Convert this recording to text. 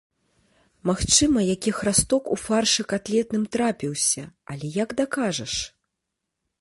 Магчыма, які храсток у фаршы катлетным трапіўся, але як дакажаш?